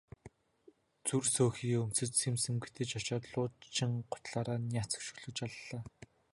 Зүр сөөхий өмсөж сэм сэм гэтэж очоод луучин гутлаараа няц өшиглөж аллаа.